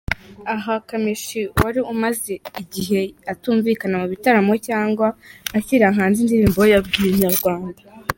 Aha Kamichi wari umaze igihe atumvikana mu bitaramo cyangwa ashyira hanze indirimbo yabwiye Inyarwanda.